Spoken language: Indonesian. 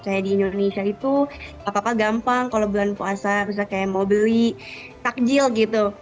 kayak di indonesia itu apa apa gampang kalau bulan puasa misalnya kayak mau beli takjil gitu